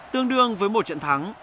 tương đương với một trận thắng